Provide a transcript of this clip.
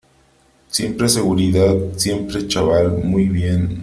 siempre , seguridad , siempre . chaval , muy bien .